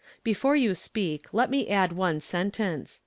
Before you speak, let me add one sentence.